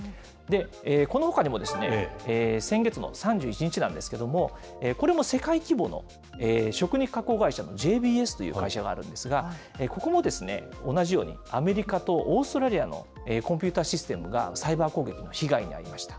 このほかにも先月の３１日なんですけれども、これも世界規模の食肉加工会社のＪＢＳという会社があるんですが、ここも同じように、アメリカとオーストラリアのコンピューターシステムがサイバー攻撃の被害に遭いました。